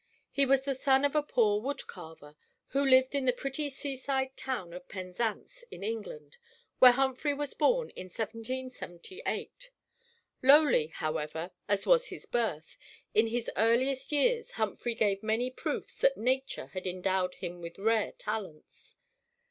He was the son of a poor wood carver, who lived in the pretty seaside town of Penzance, in England, where Humphry was born in 1778. Lowly, however, as was his birth, in his earliest years Humphry gave many proofs that nature had endowed him with rare talents.